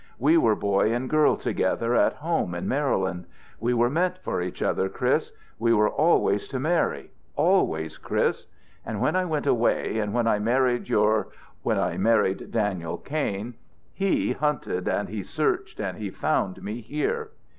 "We were boy and girl together at home in Maryland. We were meant for each other, Chris. We were always to marry always, Chris. And when I went away, and when I married your when I married Daniel Kain, he hunted and he searched and he found me here.